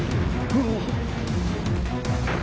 あっ。